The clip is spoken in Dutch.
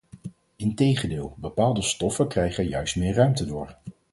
Integendeel, bepaalde stoffen krijgen er juist meer ruimte door.